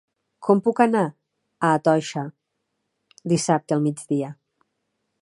Com puc anar a Toixa dissabte al migdia?